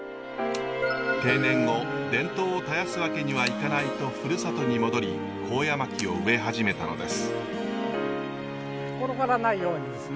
定年後伝統を絶やすわけにはいかないとふるさとに戻り高野槙を植え始めたのです。